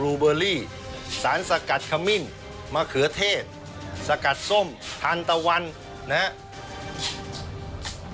บลูเบอรี่สารสกัดขมิ้นมะเขือเทศสกัดส้มทันตะวันนะฮะ